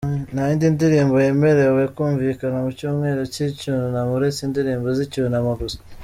Nta yindi ndirimbo yemerewe kumvikana mu cyumweru cy’icyunamo uretse indirimbo z’icyunamo gusa.